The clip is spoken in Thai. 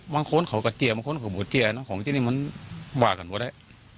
วังโค้นเขากับเกียร์วังโค้นเขาบูดเกียร์ของที่นี่มันหวากกันพอได้